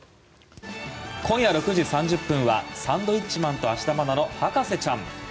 今夜６時３０分は「サンドウィッチマン＆芦田愛菜の博士ちゃん」。